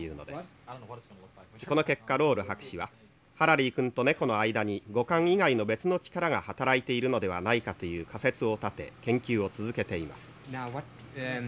この結果ロール博士はハラリー君と猫の間に五感以外の別の力が働いているのではないかという仮説を立て研究を続けています」。